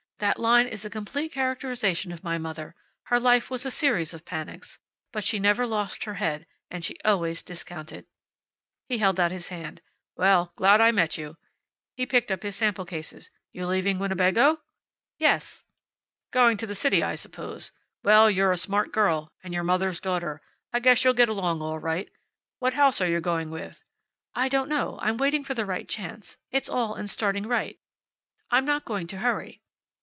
"That line is a complete characterization of my mother. Her life was a series of panics. But she never lost her head. And she always discounted." He held out his hand. "Well, glad I met you." He picked up his sample cases. "You leaving Winnebago?" "Yes." "Going to the city, I suppose. Well you're a smart girl. And your mother's daughter. I guess you'll get along all right. What house are you going with?" "I don't know. I'm waiting for the right chance. It's all in starting right. I'm not going to hurry."